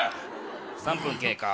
３分経過。